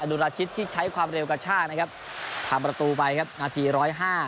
นุราชิตที่ใช้ความเร็วกระชากนะครับทำประตูไปครับนาทีร้อยห้า